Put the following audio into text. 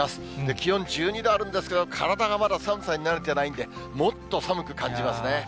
気温１２度あるんですけど、体がまだ寒さに慣れてないんで、もっと寒く感じますね。